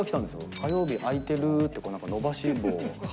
火曜日、空いてるー？って、伸ばし棒？。